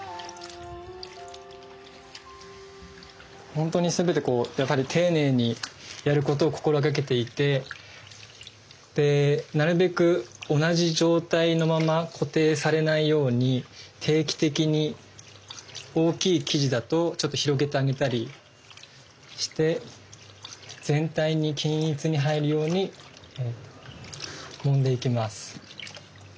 本当にすべてこうやっぱり丁寧にやることを心がけていてでなるべく同じ状態のまま固定されないように定期的に大きい生地だとちょっと広げてあげたりして全体に均一に入るようにもんでいきます。